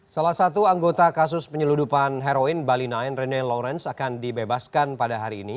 salah satu anggota kasus penyeludupan heroin bali sembilan rene lawrence akan dibebaskan pada hari ini